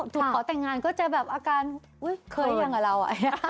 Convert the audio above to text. สุดขอแต่งงานก็จะแบบอาการเคยอย่างกับเราอ่ะ